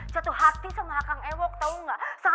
jatuh hati sama akan ewa tau gak